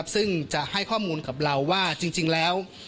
ซึ่งจะให้ข้อมูลกับเราว่าจริงแล้ว